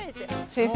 先生